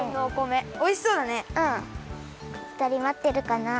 ふたりまってるかな？